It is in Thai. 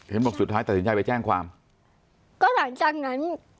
บอกสุดท้ายตัดสินใจไปแจ้งความก็หลังจากนั้น